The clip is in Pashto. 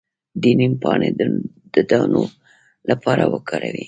د نیم پاڼې د دانو لپاره وکاروئ